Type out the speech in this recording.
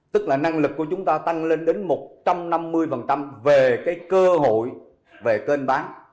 tức là năng lực của chúng ta tăng lên đến một trăm năm mươi về cái cơ hội về kênh bán